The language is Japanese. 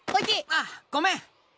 ああごめん。